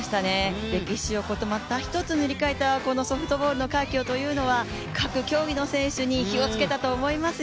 歴史をまた一つ塗り替えたこのソフトボールの快挙というのは各競技の選手に火をつけたと思いますよ。